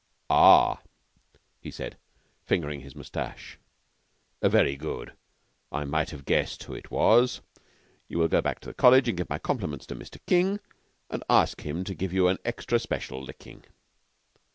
"Ah," he said, fingering his mustache. "Very good. I might have guessed who it was. You will go back to the College and give my compliments to Mr. King and ask him to give you an extra special licking.